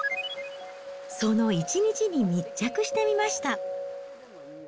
その１日に密着してみました。